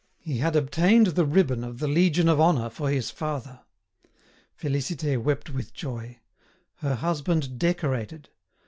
He had obtained the ribbon of the Legion of Honour for his father. Félicité wept with joy. Her husband decorated!